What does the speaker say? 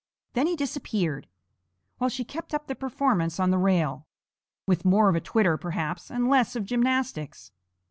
Then he disappeared, while she kept up the performance on the rail, with more of a twitter, perhaps, and less of gymnastics.